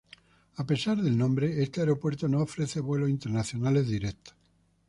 A pesar del nombre, este aeropuerto no ofrece vuelos internacionales directos.